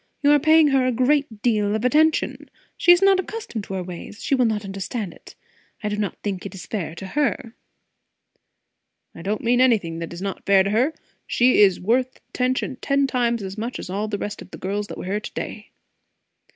You are paying her a great deal of attention. She is not accustomed to our ways; she will not understand it. I do not think it is fair to her." "I don't mean anything that is not fair to her. She is worth attention ten times as much as all the rest of the girls that were here to day."